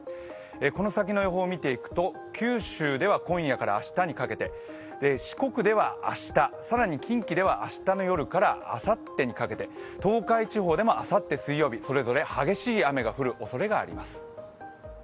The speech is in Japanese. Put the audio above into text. この先の予報を見ていくと九州では今夜から明日にかけて四国では明日、更に近畿では明日の夜からあさってにかけて東海地方でもあさって水曜日、それぞれ激しい雨が降るおそれがあります。